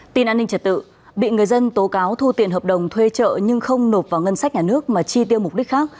tin an ninh trật tự bị người dân tố cáo thu tiền hợp đồng thuê trợ nhưng không nộp vào ngân sách nhà nước mà chi tiêu mục đích khác